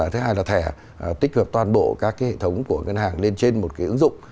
thứ hai là thẻ tích hợp toàn bộ các cái hệ thống của ngân hàng lên trên một cái ứng dụng